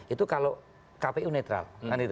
itu kalau kpu netral